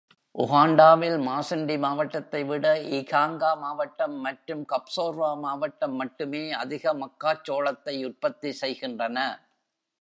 உகாண்டாவில், மாசிண்டி மாவட்டத்தை விட இகாங்கா மாவட்டம் மற்றும் கப்சோர்வா மாவட்டம் மட்டுமே அதிக மக்காச்சோளத்தை உற்பத்தி செய்கின்றன.